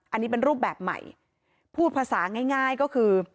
อันนี้เป็นรูปแบบใหม่พูดภาษาง่ายก็คือ